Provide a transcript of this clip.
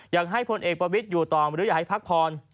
อยากให้ผลเอกประวิดอยู่ตอนไม่ได้อยากให้พักผ่อน